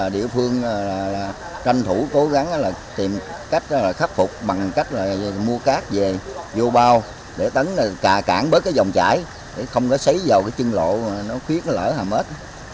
để tấn cà cản bớt cái dòng chải để không có xấy vào cái chân lộ nó khuyết nó lỡ hàm hết